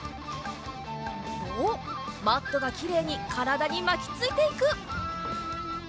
おっマットがきれいにからだにまきついていく。